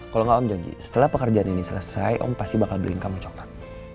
kalau gak om janji setelah pekerjaan ini selesai om pasti bakal beliin kamu coklat